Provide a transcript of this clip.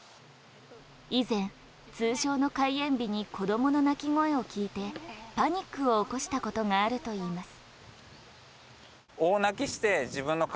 以前、通常の開園日に子供の泣き声を聞いてパニックを起こしたことがあるといいます。